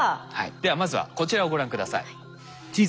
ではまずはこちらをご覧下さい。